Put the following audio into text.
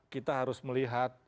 kita harus melihat